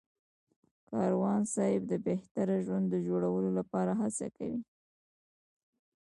کاروان صاحب د بهتره ژوند جوړولو لپاره هڅه کوي.